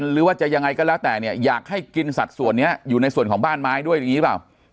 หรือว่าจะยังไงก็แล้วแต่เนี่ยอยากให้กินสัดส่วนนี้อยู่ในส่วนของบ้านไม้ด้วยอย่างนี้หรือเปล่า